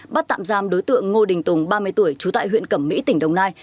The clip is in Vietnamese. bắt tạm giam đối tượng ngô đình tùng ba mươi tuổi trú tại huyện cẩm mỹ tỉnh đồng nai